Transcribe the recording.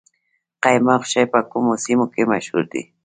قیماق چای په کومو سیمو کې مشهور دی؟